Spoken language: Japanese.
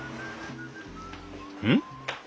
うん？